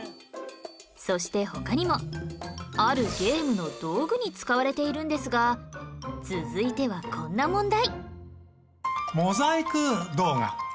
そして他にもあるゲームの道具に使われているんですが続いてはこんな問題